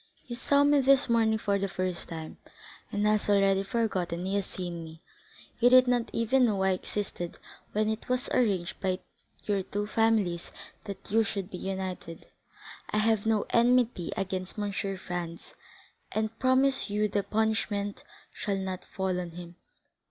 He saw me this morning for the first time, and has already forgotten he has seen me. He did not even know I existed when it was arranged by your two families that you should be united. I have no enmity against M. Franz, and promise you the punishment shall not fall on him."